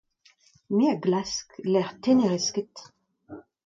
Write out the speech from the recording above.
Me a glask e-lec'h te ne rez ket.